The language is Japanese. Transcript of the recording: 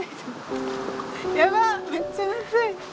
やばっめっちゃなつい。